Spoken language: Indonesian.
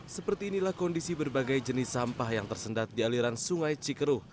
seperti inilah kondisi berbagai jenis sampah yang tersendat di aliran sungai cikeruh